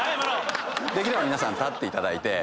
できれば皆さん立っていただいて。